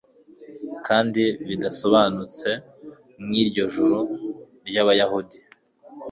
Kandi bidasobanutse nkiryo juru ryabayahudi,